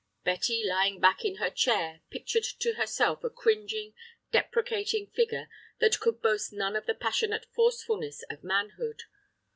Betty, lying back in her chair, pictured to herself a cringing, deprecating figure that could boast none of the passionate forcefulness of manhood.